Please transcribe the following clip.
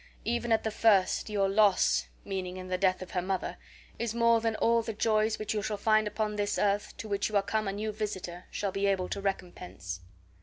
Even at the first, your loss," meaning in the death of her mother, "is more than all the joys, which you shall find upon this earth to which you are come a new visitor, shall be able to recompense."